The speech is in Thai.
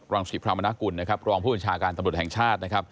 รองศิพรามณกุลรองผู้จัญชาการตำรวจแห่งชาติ